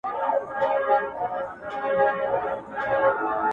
• تور بخمل غوندي ځلېږې سر تر نوکه,